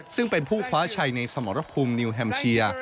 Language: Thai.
ซึ่งเป็นผู้คว้าชัยในสมรภูมินิวแฮมเชีย